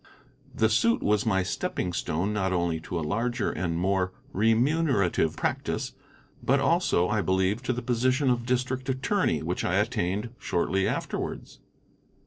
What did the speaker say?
The suit was my stepping stone not only to a larger and more remunerative practice, but also, I believe, to the position of district attorney, which I attained shortly afterwards.